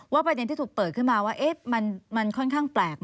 ประเด็นที่ถูกเปิดขึ้นมาว่ามันค่อนข้างแปลก